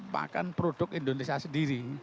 makan produk indonesia sendiri